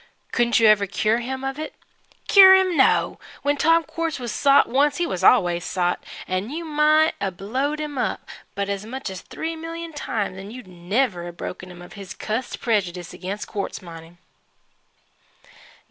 Couldn't you ever cure him of it?" "Cure him! No! When Tom Quartz was sot once, he was always sot and you might 'a' blowed him up as much as three million times 'n' you'd never 'a' broken him of his cussed prejudice ag'in quartz mining."